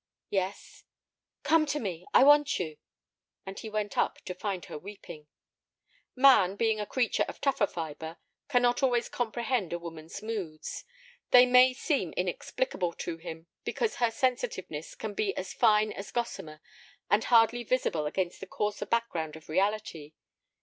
"Yes!" "Come to me; I want you." And he went up, to find her weeping. Man, being a creature of tougher fibre, cannot always comprehend a woman's moods. They may seem inexplicable to him, because her sensitiveness can be as fine as gossamer, and hardly visible against the coarser background of reality.